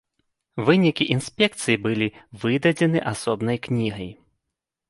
Вынікі інспекцыі былі выдадзены асобнай кнігай.